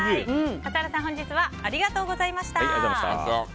笠原さん、本日はありがとうございました。